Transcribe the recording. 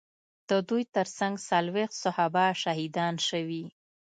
د دوی ترڅنګ څلوېښت صحابه شهیدان شوي.